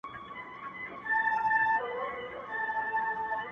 خداى دي زما د ژوندون ساز جوړ كه ـ